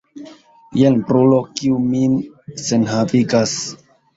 Jen brulo, kiu min senhavigas.